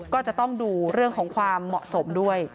ก็จะต้องดูเรื่องของความเหมาะสมด้วย